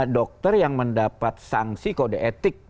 dokter yang mendapat sanksi kode etik